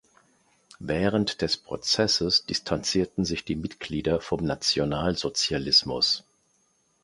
Während des Prozesses distanzierten sich die Mitglieder vom Nationalsozialismus.